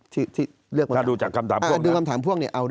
ถ้าดูจากคำถามพวก